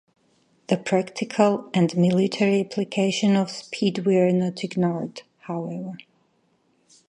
The practical and military applications of speed were not ignored, however.